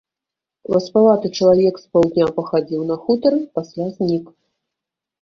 Васпаваты чалавек з паўдня пахадзіў на хутары, пасля знік.